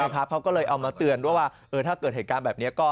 เขาก็เลยเอามาเตือนด้วยว่าถ้าเกิดเหตุการณ์แบบนี้